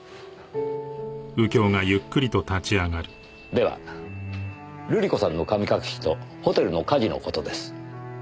では瑠璃子さんの神隠しとホテルの火事の事です。